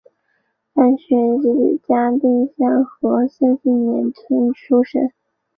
范氏姮是嘉定省新和县新年东村出生。